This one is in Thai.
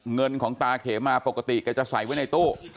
เงินของตาเขมาปกติแกจะใส่ไว้ในตู้